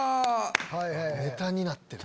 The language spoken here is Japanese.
ネタになってる。